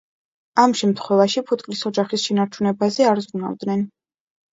ამ შემთხვევაში ფუტკრის ოჯახის შენარჩუნებაზე არ ზრუნავდნენ.